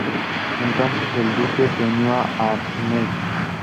Entonces el duque se unió a Mlle.